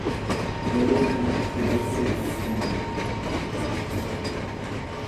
هەولێر پایتەختی باشووری کوردستانە